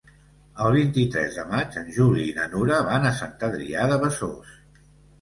El vint-i-tres de maig en Juli i na Nura van a Sant Adrià de Besòs.